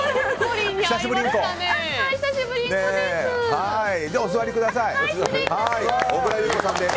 久しぶりんこです！